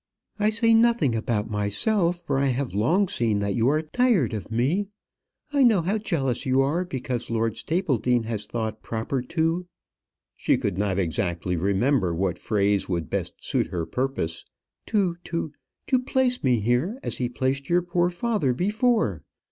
I say nothing about myself, for I have long seen that you are tired of me. I know how jealous you are because Lord Stapledean has thought proper to " she could not exactly remember what phrase would best suit her purpose "to to to place me here, as he placed your poor father before.